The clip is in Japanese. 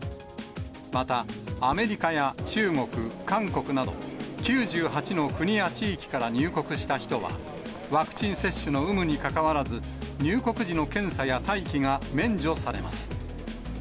また、アメリカや中国、韓国など、９８の国や地域から入国した人は、ワクチン接種の有無にかかわらず、入国時の検査や待機が免除されます。